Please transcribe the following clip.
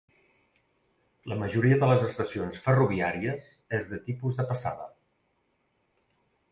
La majoria de les estacions ferroviàries és del tipus de passada.